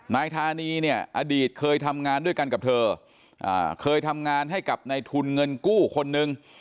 นายธานีเนี่ยอดีตเคยทำงานด้วยกันกับเธอเคยทำงานให้กับในทุนเงินกู้คนนึง